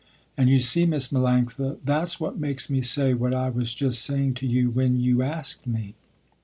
And you see, Miss Melanctha, that's what makes me say what I was just saying to you when you asked me."